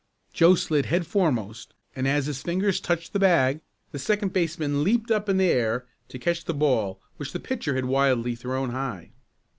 Joe slid head foremost and as his fingers touched the bag the second baseman leaped up in the air to catch the ball which the pitcher had wildly thrown high.